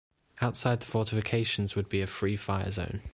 Outside the fortifications would be a free fire zone.